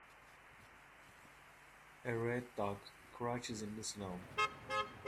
A red dog crouches in the snow.